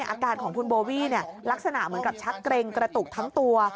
อาการของคุณโบวี่ลักษณะเหมือนกับชักเกร็งกระตุกทั้งตัว